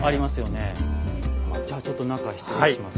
じゃあちょっと中失礼します。